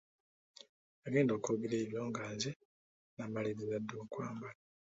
Yagenda okwogera ebyo nga nze namaliriza dda okwambala.